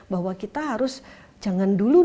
bahwa kita harus jangan dulu